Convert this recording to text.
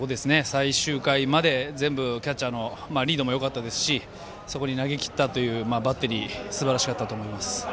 最終回までキャッチャーのリードもよかったですしそこに投げきったというバッテリーすばらしかったと思います。